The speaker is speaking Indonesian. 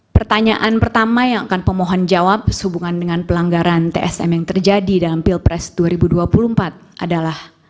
pertanyaan pertama yang akan pemohon jawab sehubungan dengan pelanggaran tsm yang terjadi dalam pilpres dua ribu dua puluh empat adalah